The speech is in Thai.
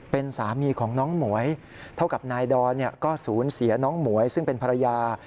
เป็นสามีของน้องหมวยเท่ากับนายดอนก็ศูนย์เสียน้องหมวยซึ่งเป็นภรรยา